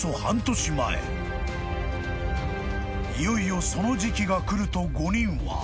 ［いよいよその時期が来ると５人は］